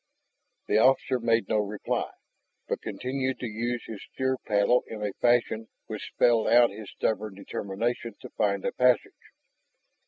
The officer made no reply, but continued to use his steer paddle in a fashion which spelled out his stubborn determination to find a passage.